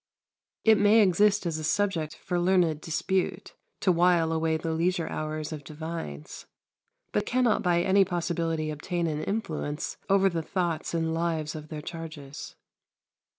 It may exist as a subject for learned dispute to while away the leisure hours of divines, but cannot by any possibility obtain an influence over the thoughts and lives of their charges.